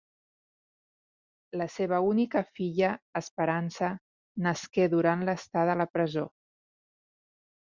La seva única filla, Esperança, nasqué durant l'estada a la presó.